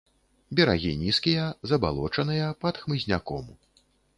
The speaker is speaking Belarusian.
Берагі нізкія, забалочаныя, пад хмызняком.